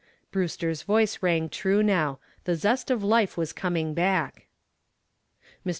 Brewster's voice rang true now. The zest of life was coming back. Mr.